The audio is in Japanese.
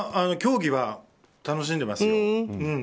競技は楽しんでますよ。